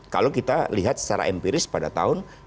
kalau kita lihat secara empiris pada tahun dua ribu